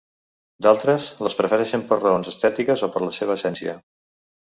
D'altres, les prefereixen per raons estètiques o per la seva essència.